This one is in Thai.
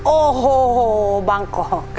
โอ้โหโหบางก็อก